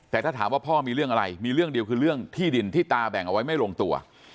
แต่ถ้าถามว่าพ่อมีเรื่องอะไรมีเรื่องเดียวคือเรื่องที่ดินที่ตาแบ่งเอาไว้ไม่ลงตัว